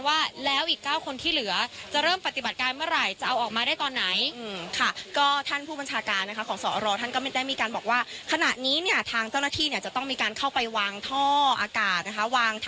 ว่าแล้วอีก๙คนที่เหลือจะเริ่มปศติบัติการมาหลาย